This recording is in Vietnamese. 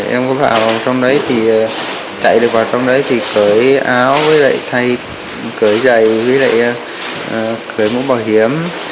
em có vào trong đấy thì chạy được vào trong đấy thì cởi áo với lại thay cởi giày với lại cởi mũ bảo hiểm